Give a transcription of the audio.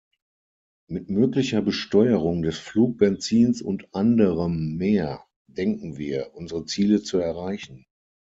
Mit möglicher Besteuerung des Flugbenzins und anderem mehr denken wir, unsere Ziele zu erreichen.